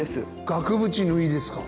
額縁縫いですか？